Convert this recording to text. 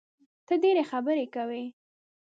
ته ډېري خبري کوې!